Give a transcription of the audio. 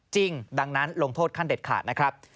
จริงดังนั้นลงโทษขั้นเด็ดขาดนะครับ